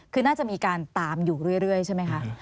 คือน่าจะมีการตามอยู่เรื่อยใช่ไหมคะ